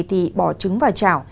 thì bỏ trứng vào trào